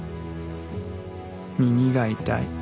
耳が痛い。